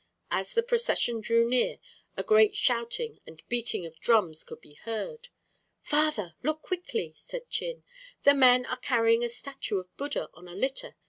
As the procession drew near, a great shouting and beating of drums could be heard. "Father, look quickly," said Chin. "The men are carrying a statue of Buddha on a litter.